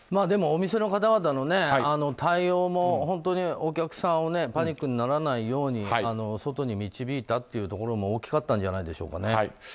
でも、お店の方々の対応も本当にお客さんがパニックにならないように外に導いたというところも大きかったんじゃないでしょうか。